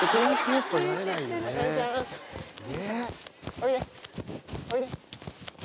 おいでおいで。